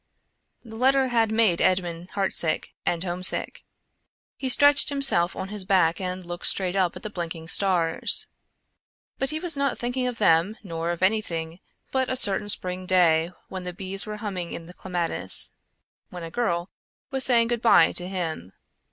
The letter had made Edmond heart sick and home sick. He stretched himself on his back and looked straight up at the blinking stars. But he was not thinking of them nor of anything but a certain spring day when the bees were humming in the clematis; when a girl was saying good bye to him.